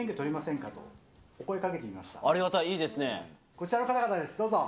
こちらの方々ですどうぞ。